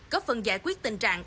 có phần giải quyết tình trạng